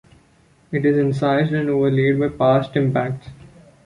It is incised and overlaid by past impacts.